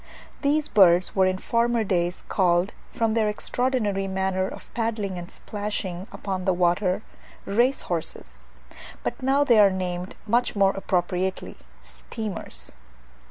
These birds were in former days called, from their extraordinary manner of paddling and splashing upon the water, race horses; but now they are named, much more appropriately, steamers.